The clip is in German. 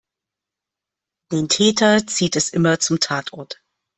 Den Täter zieht es immer zum Tatort.